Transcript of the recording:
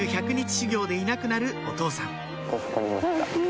修行でいなくなるお父さん